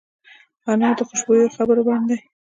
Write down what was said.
انا د خوشبویه خبرو بڼ دی